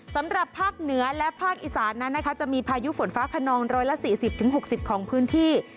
สำหรับภาคเหนือและภาคอีสานนั้นนะคะจะมีพายุฝนฟ้าขนอง๑๔๐๖๐ของพื้นที่